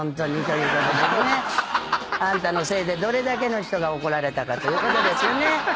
あんたのせいでどれだけの人が怒られたかということですよね。